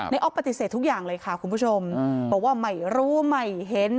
อ๊อฟปฏิเสธทุกอย่างเลยค่ะคุณผู้ชมบอกว่าไม่รู้ไม่เห็น